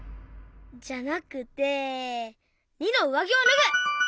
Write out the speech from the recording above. じゃなくて②のうわぎをぬぐ！